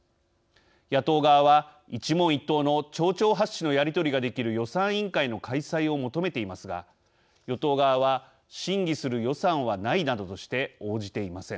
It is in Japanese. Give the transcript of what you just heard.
野党側は、一問一答の丁々発止のやり取りができる予算委員会の開催を求めていますが与党側は「審議する予算はない」などとして応じていません。